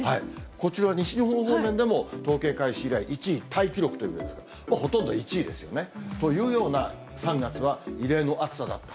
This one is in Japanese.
こちら、西日本方面でも統計開始以来１位タイ記録というわけですから、ほとんど１位ですよね。というような３月は、異例の暑さだった。